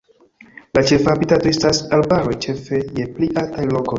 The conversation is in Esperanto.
La ĉefa habitato estas arbaroj, ĉefe je pli altaj lokoj.